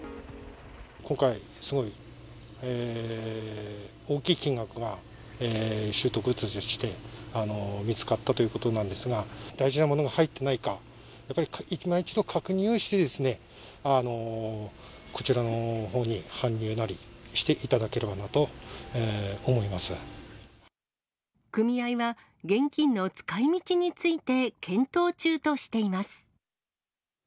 今回、すごい大きい金額が拾得物として見つかったということなんですが、大事なものが入っていないか、やっぱりいま一度確認をして、こちらのほうに搬入なり、してい組合は現金の使いみちについて検討中としています。